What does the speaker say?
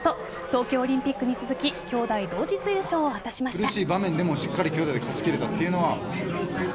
東京オリンピックに続ききょうだい同日優勝を果たしました。